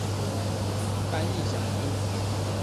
翻譯想哭